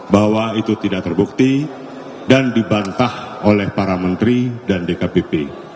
bahwa itu tidak terbukti dan dibantah oleh para menteri dan dkpp